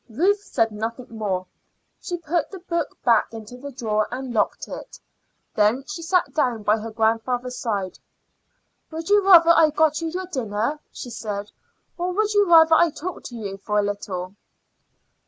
Ruth said nothing more. She put the book back into the drawer and locked it. Then she sat down by her grandfather's side. "Would you rather I got you your dinner," she said, "or would you rather I talked to you for a little?"